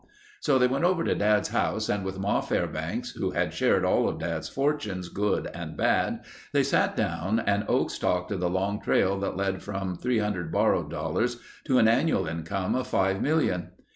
So they went over to Dad's house and with Ma Fairbanks who had shared all of Dad's fortunes, good and bad, they sat down and Oakes talked of the long trail that led from 300 borrowed dollars to an annual income of five million.